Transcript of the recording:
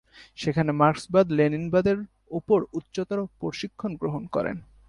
সেখানে মার্কসবাদ-লেনিনবাদের ওপর উচ্চতর প্রশিক্ষণ গ্রহণ করেন।